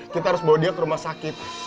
kita harus bawa dia ke rumah sakit